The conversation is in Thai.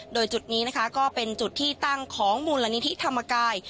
โดยจุดนี้นะคะก็เป็นจุดที่ตั้งของมูลนิธิธรรมกาย